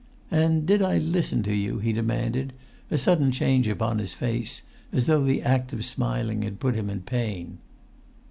"And did I listen to you?" he demanded, a sudden change upon his face, as though the act of smiling had put him in pain.